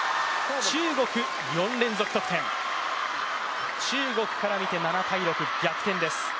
中国４連続得点中国から見て７−６、逆転です。